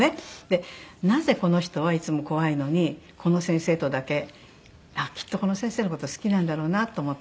なぜこの人はいつも怖いのにこの先生とだけあっきっとこの先生の事好きなんだろうなと思って。